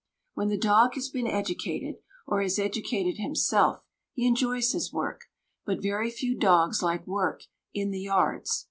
When the dog has been educated, or has educated himself, he enjoys his work; but very few dogs like work "in the yards".